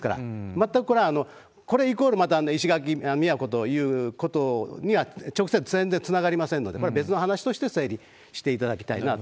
全くこれ、これイコール、また石垣、宮古ということには直接全然つながりませんので、これは別の話として整理していただきたいなと。